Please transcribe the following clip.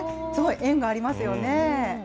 すごい縁がありますよね。